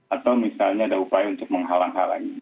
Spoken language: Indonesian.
atau misalnya ada upaya untuk menghalang hal ini